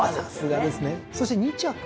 そして２着は？